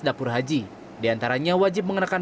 dapur haji di antaranya wajib mengenakan